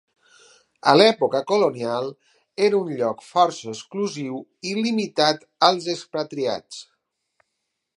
A l'època colonial era un lloc força exclusiu i limitat als expatriats.